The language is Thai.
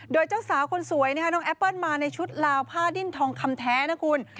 โดยเจ้าสาวคนสวยนะคะน้องแอปเปิ้ลมาในชุดลาวผ้าดิ้นทองคำแท้นะคุณ